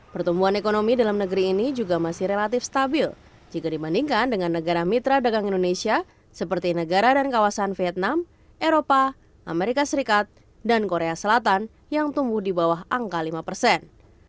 pertumbuhan ekonomi dalam negeri ini juga masih relatif stabil jika dibandingkan dengan negara mitra dagang indonesia seperti negara dan kawasan vietnam eropa amerika serikat dan korea selatan yang tumbuh di bawah angka lima persen